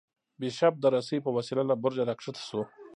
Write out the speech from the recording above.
بیشپ د رسۍ په وسیله له برجه راکښته شو.